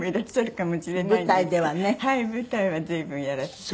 はい舞台は随分やらせて。